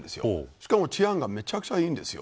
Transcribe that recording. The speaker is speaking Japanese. しかも、治安もめちゃくちゃいいんです。